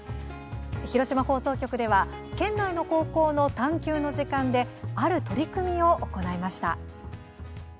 広島放送局では県内の高校の探究の時間である取り組みを行いました。